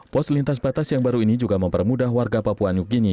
pos lintas batas yang baru ini juga mempermudah warga papua new guinea